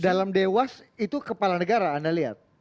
dalam dewas itu kepala negara anda lihat